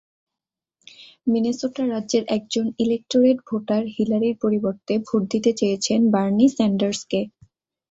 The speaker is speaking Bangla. মিনেসোটা রাজ্যের একজন ইলেকটোরেট ভোটার হিলারির পরিবর্তে ভোট দিতে চেয়েছেন বার্নি স্যান্ডার্সকে।